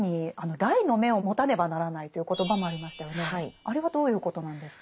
あれはどういうことなんですか？